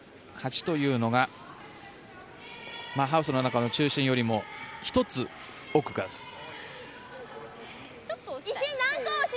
８というのがハウスの中の中心よりも１つ奥です。